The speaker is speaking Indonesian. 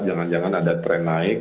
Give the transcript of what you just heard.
jangan jangan ada tren naik